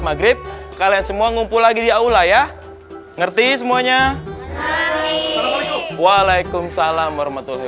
maghrib kalian semua ngumpul lagi ya ula ya ngerti semuanya waalaikumsalam warahmatullahi